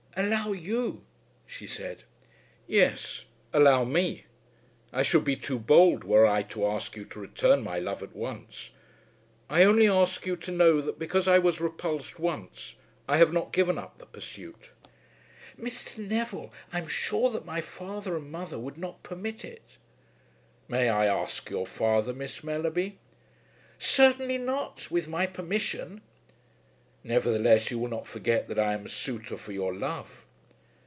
"Allow you!" she said. "Yes; allow me. I should be too bold were I to ask you to return my love at once. I only ask you to know that because I was repulsed once, I have not given up the pursuit." "Mr. Neville, I am sure that my father and mother would not permit it." "May I ask your father, Miss Mellerby?" "Certainly not, with my permission." "Nevertheless you will not forget that I am suitor for your love?"